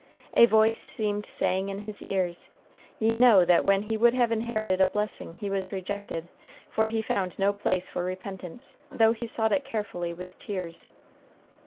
A voice seemed saying in his ears, "Ye know that when he would have inherited a blessing he was rejected; for he found no place for repentance, though he sought it carefully with tears."